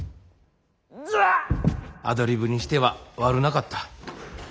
アドリブにしては悪なかった。